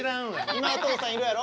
今お父さんいるやろ？